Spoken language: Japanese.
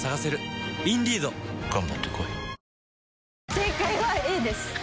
正解はＡです。